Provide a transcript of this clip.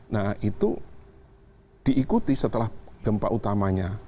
nah itu diikuti setelah gempa utamanya